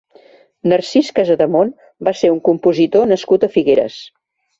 Narcís Casademont va ser un compositor nascut a Figueres.